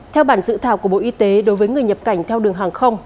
theo bản dự thảo của bộ y tế đối với người nhập cảnh theo đường hàng không